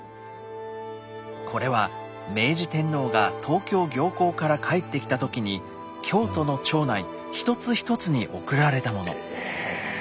これは明治天皇が東京行幸から帰ってきた時に京都の町内一つ一つに贈られたもの。え！